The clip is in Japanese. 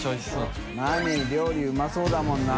泪漾料理うまそうだもんな。